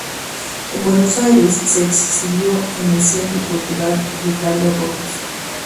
En Buenos Aires, se exhibió en el Centro Cultural Ricardo Rojas.